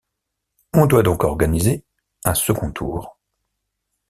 On doit donc organiser un second tour.